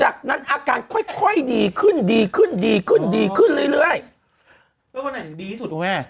จากนั้นอาการค่อยค่อยดีขึ้นดีขึ้นดีขึ้นดีขึ้นเรื่อยเรื่อยแล้ววันไหนถึงดีที่สุดคุณแม่